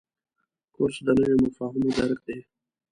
کورس د نویو مفاهیمو درک دی.